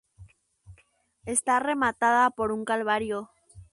Está rematada por un Calvario.